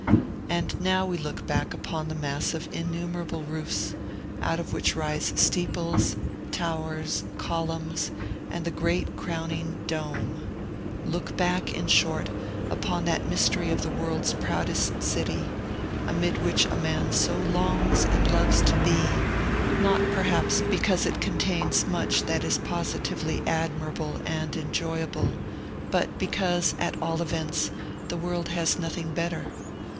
And now we look back upon the mass of innumerable roofs, out of which rise steeples, towers, columns, and the great crowning Dome, look back, in short, upon that mystery of the world's proudest city, amid which a man so longs and loves to be; not, perhaps, because it contains much that is positively admirable and enjoyable, but because, at all events, the world has nothing better.